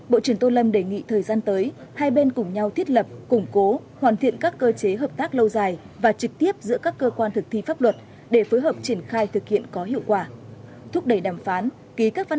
bộ trưởng tô lâm đề nghị thời gian tới hai bên cùng nhau thiết lập củng cố hoàn thiện các cơ chế hợp tác lâu dài và trực tiếp giữa các cơ quan thực thi pháp luật để phối hợp triển khai thực hiện có hiệu quả